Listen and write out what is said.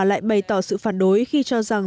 lại bày tỏ sự phản đối khi cho rằng